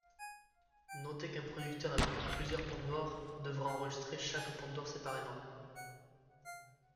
Notez qu'un producteur avec plusieurs pondoirs devra enregistrer chaque pondoir séparément.